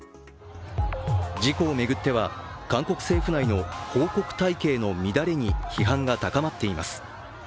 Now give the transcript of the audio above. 事故を巡っては韓国政府内の報告体系の乱れに批判が高まっています。